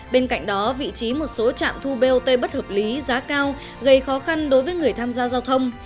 bên cạnh đó vị trí một số trạm thu bot bất hợp lý giá cao gây khó khăn đối với người tham gia giao thông